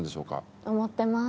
思ってます。